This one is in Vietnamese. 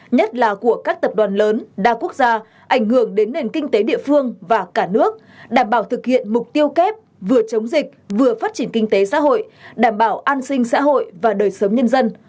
nhất là của các tập đoàn lớn đa quốc gia ảnh hưởng đến nền kinh tế địa phương và cả nước đảm bảo thực hiện mục tiêu kép vừa chống dịch vừa phát triển kinh tế xã hội đảm bảo an sinh xã hội và đời sống nhân dân